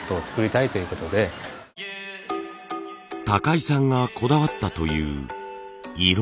井さんがこだわったという色。